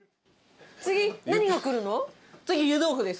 次何が来るの？